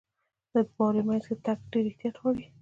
• د واورې مینځ کې تګ ډېر احتیاط غواړي.